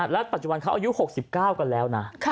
แล้วปัจจุบันเขาอายุ๖๙กันแล้วนะ